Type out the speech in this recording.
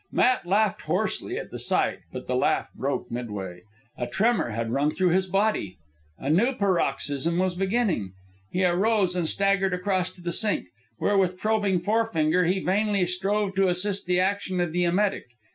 Matt laughed hoarsely at the sight, but the laugh broke midway. A tremor had run through his body. A new paroxysm was beginning. He arose and staggered across to the sink, where, with probing forefinger, he vainly strove to assist the action of the emetic.